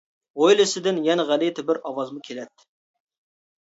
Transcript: ھويلىسىدىن يەنە غەلىتە بىر ئاۋازمۇ كېلەتتى.